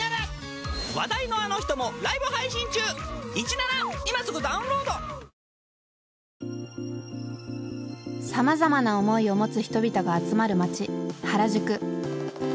ナツ：さまざまな思いを持つ人々が集まる街原宿。